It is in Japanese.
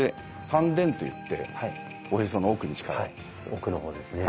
奥の方ですね。